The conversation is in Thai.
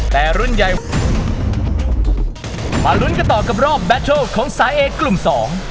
แต่รุ่นใหญ่มาลุ้นกันต่อกับรอบแบตโชคของสาเอกลุ่มสอง